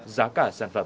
giá cả sản phẩm